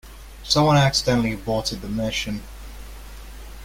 Someone accidentally aborted the mission.